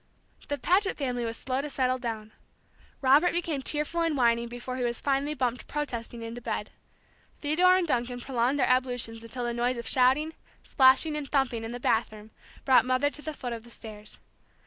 The Paget family was slow to settle down. Robert became tearful and whining before he was finally bumped protesting into bed. Theodore and Duncan prolonged their ablutions until the noise of shouting, splashing, and thumping in the bathroom brought Mother to the foot of the stairs.